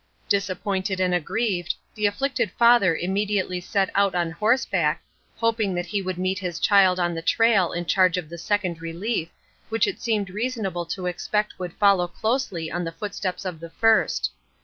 Disappointed and aggrieved, the afflicted father immediately set out on horseback, hoping that he would meet his child on the trail in charge of the Second Relief, which it seemed reasonable to expect would follow closely in the footsteps of the first.